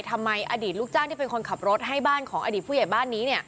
อดีตลูกจ้างที่เป็นคนขับรถให้บ้านของอดีตผู้ใหญ่บ้านนี้